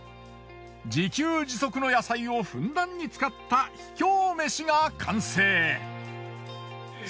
自給自足の野菜をふんだんに使った秘境めしが完成。